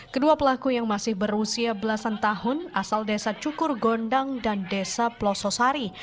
kedua pelaku yang masih berusia belasan tahun asal desa cukur gondang dan desa pelososari